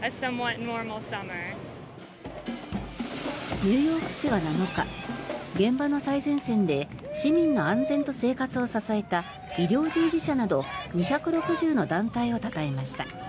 ニューヨーク市は７日現場の最前線で市民の安全と生活を支えた医療従事者など２６０の団体をたたえました。